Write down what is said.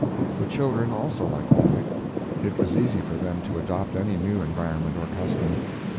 The children also liked Munich. It was easy for them to adopt any new environment or custom.